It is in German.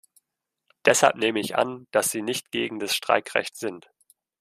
Deshalb nehme ich an, dass Sie nicht gegen das Streikrecht sind.